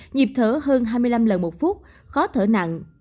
nhịp thở hơn hai mươi năm lần một phút khó thở nặng